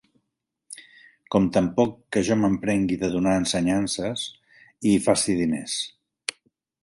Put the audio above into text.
Com tampoc que jo m'emprengui de donar ensenyances i hi faci diners;